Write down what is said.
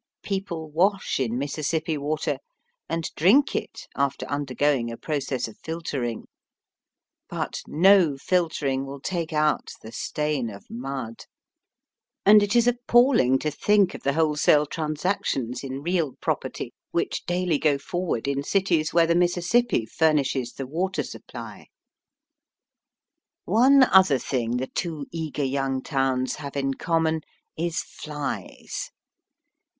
People wash in Mississippi water and drink it after undergoing a process of filtering. But no filtering will take out the stain of mud, and it is appalling to think of the wholesale transac tions in real property which daily go forward Digitized by VjOOQIC 44 EAST BY WEST. in cities where the Mississippi furnishes the water supply. One other thing the two eager young towns have in common is flies.